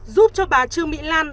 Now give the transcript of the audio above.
giúp cho bà trương mỹ lan